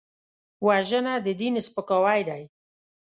وژنه د دین سپکاوی دی